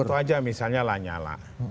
contoh aja misalnya pak lanyala